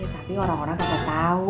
tapi orang orang udah tau